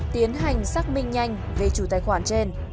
tiến hành xác minh nhanh về chủ tài khoản trên